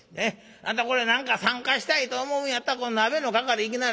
あんたこれ何か参加したいと思うんやったら鍋の係いきなはれ。